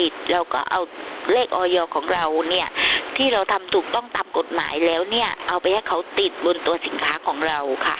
ถ้าเราทำถูกต้องตามกฎหมายแล้วเนี่ยเอาไปให้เขาติดบนตัวสินค้าของเราค่ะ